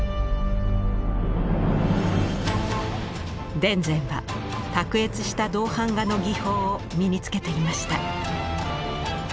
田善は卓越した銅版画の技法を身につけていました。